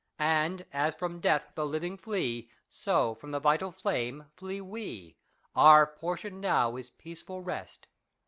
And as from death the living flee, So from the vital flame flee we. Our portion now is peaceful rest.